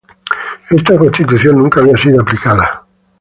Esta constitución nunca había sido aplicada.